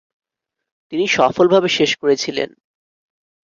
তিনি সফলভাবে শেষ করেছিলেন।